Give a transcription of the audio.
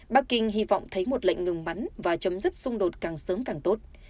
bắc kinh hy vọng thấy một lệnh ngừng bắn và chấm dứt xung đột càng sớm càng tốt